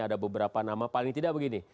ada beberapa nama paling tidak begini